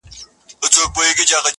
دا بلي ډېوې مړې که زما خوبونه تښتوي٫